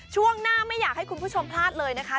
ช่วงหน้าไม่อยากให้คุณผู้ชมพลาดเลยนะคะ